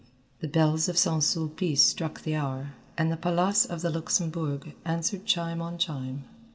The bells of St. Sulpice struck the hour, and the Palace of the Luxembourg answered chime on chime.